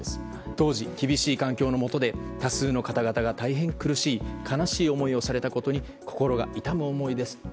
当時、厳しい環境の下で多数の方々が大変苦しい悲しい思いをされたことに心が痛む思いですと。